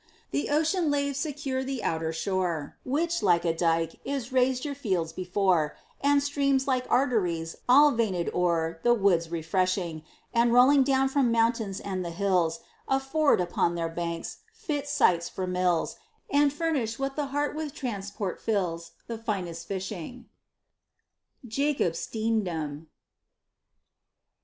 The Ocean laves secure the outer shore, Which, like a dyke, is raised your fields before; And streams, like arteries, all veinèd o'er, The woods refreshing; And rolling down from mountains and the hills, Afford, upon their banks, fit sites for mills; And furnish, what the heart with transport fills, The finest fishing. JACOB STEENDAM.